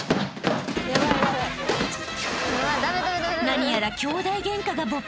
［何やら］